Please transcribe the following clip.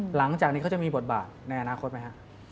หลังจากนี้เค้าจะมีบทบาทในอนาคตมั้ย